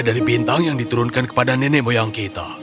dari bintang yang diturunkan kepada nenek moyang kita